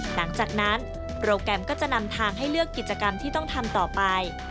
หลังจากนั้นโปรแกรมก็จะนำทางให้เลือกกิจกรรมที่ต้องทำต่อไป